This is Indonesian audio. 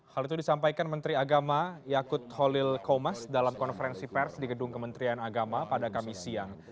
hal itu disampaikan menteri agama yakut kholil komas dalam konferensi pers di gedung kementerian agama pada kamis siang